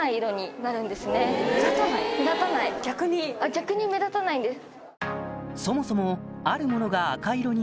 逆に目立たないんです。